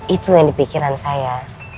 itu yang dipikiran saya